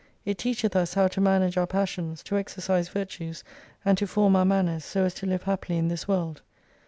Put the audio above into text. It teacheth us how to manage our pas sions, to exercise virtues, and to form our manners, so as to live happily in this world.